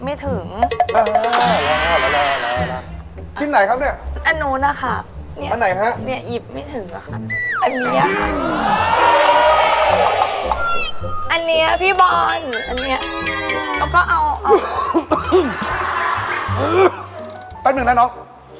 หือแป๊บหนึ่งนะน้อง